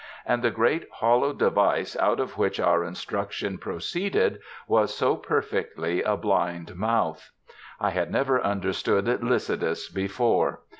And the great hollow device out of which our instruction proceeded was so perfectly a blind mouth. I had never understood Lycidas before.